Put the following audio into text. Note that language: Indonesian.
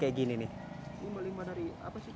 limbah dari apa sih pak